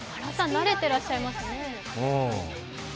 慣れていらっしゃいますね。